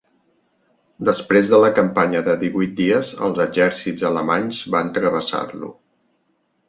Després de la campanya de divuit dies els exèrcits alemanys van travessar-lo.